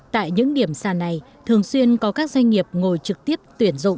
tại những điểm sàn này thường xuyên có các doanh nghiệp ngồi trực tiếp tuyển dụng